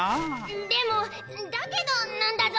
んでもだけどなんだゾ！